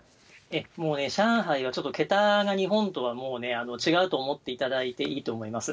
もうね、上海はちょっと日本とは桁が違うともうね、違うと思っていただいていいと思います。